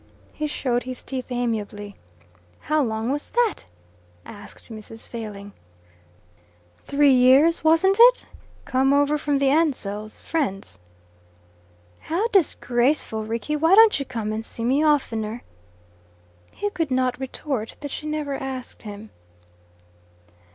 He showed his teeth amiably. "How long was that?" asked Mrs. Failing. "Three years, wasn't it? Came over from the Ansells friends." "How disgraceful, Rickie! Why don't you come and see me oftener?" He could not retort that she never asked him.